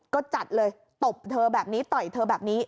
ก็จัดเลยตบเธอแบบนี้ต่อยเธอแบบนี้